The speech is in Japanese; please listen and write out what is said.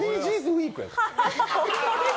ＳＤＧｓウィークやで。